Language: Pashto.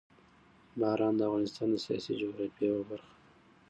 باران د افغانستان د سیاسي جغرافیه یوه برخه ده.